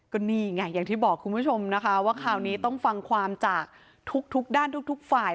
ก็นี่ไงอย่างที่บอกคุณผู้ชมนะคะว่าคราวนี้ต้องฟังความจากทุกด้านทุกฝ่าย